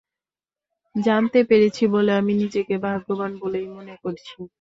জানতে পেরেছি বলে আমি নিজেকে ভাগ্যবান বলেই মনে করছি।